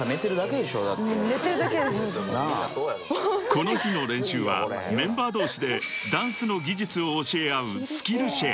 ［この日の練習はメンバー同士でダンスの技術を教え合う］